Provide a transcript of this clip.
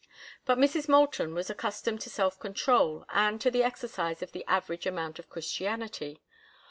But Mrs. Moulton was accustomed to self control and to the exercise of the average amount of Christianity.